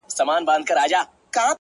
تا په درد كاتــــه اشــــنــــا.